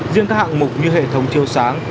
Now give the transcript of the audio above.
riêng các hạng mục như hệ thống chiêu sáng